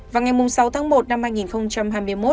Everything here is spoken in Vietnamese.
vào ngày sáu tháng một năm hai nghìn hai mươi một